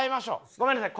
ごめんなさい